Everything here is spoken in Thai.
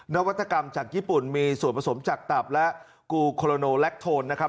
นวัตกรรมจากญี่ปุ่นมีส่วนผสมจากตับและกูโคโลโนแลคโทนนะครับ